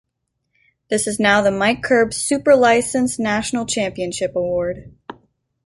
This is now the Mike Curb "Super Licence" National Championship Award.